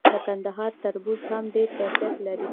د کندهار تربوز هم ډیر کیفیت لري.